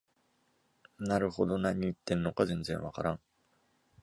なるほど、何言ってるのか全然わからん